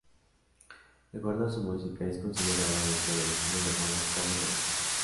De acuerdo a su música, es considerada dentro del estilo llamado "power ballad".